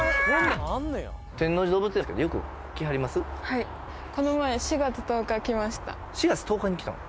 はいこの前４月１０日に来たの？